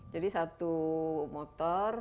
jadi satu motor